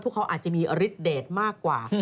พวกเขาอาจจะมีอฤษเดตมากกว่า